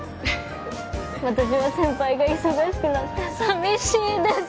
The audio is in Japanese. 私は先輩が忙しくなって寂しいです。